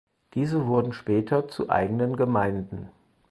Diese wurden später zu eigenen Gemeinden.